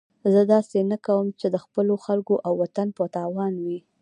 زه داسې څه نه کوم چې د خپلو خلکو او وطن په تاوان وي.